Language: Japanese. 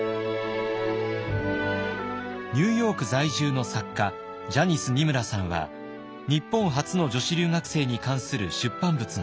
ニューヨーク在住の作家ジャニス・ニムラさんは日本初の女子留学生に関する出版物があります。